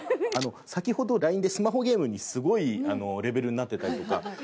先ほどＬＩＮＥでスマホゲームすごいレベルになってたりとか。